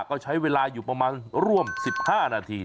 ก็ใช้เวลาอยู่ประมาณร่วม๑๕นาที